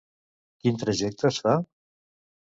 Quin trajecte es fa?